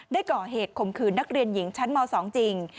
ได้ก่อเหตุข่มขืนนักเรียนหญิงชั้นม๒จริง